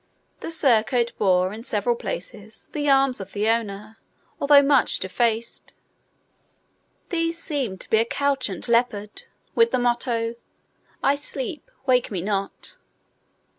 The surcoat bore, in several places, the arms of the owner, although much defaced. These seemed to be a couchant leopard, with the motto, "I sleep; wake me not."